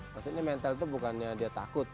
maksudnya mental itu bukannya dia takut